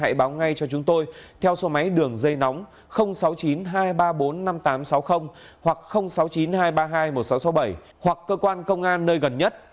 hãy báo ngay cho chúng tôi theo số máy đường dây nóng sáu mươi chín hai trăm ba mươi bốn năm nghìn tám trăm sáu mươi hoặc sáu mươi chín hai trăm ba mươi hai một nghìn sáu trăm sáu mươi bảy hoặc cơ quan công an nơi gần nhất